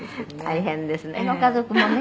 「大変ですねご家族もね